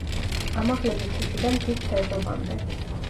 ამაღლების ქუჩიდან მთის ფერდობამდე.